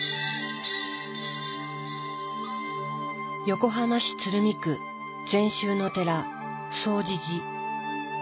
横浜市鶴見区禅宗の寺總持寺。